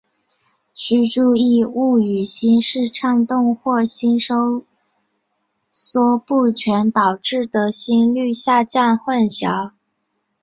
须注意勿与心室颤动或心收缩不全导致的心率下降混淆。